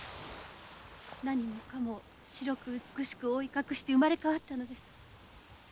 何もかも白く美しく覆い隠して生まれ変わったのです。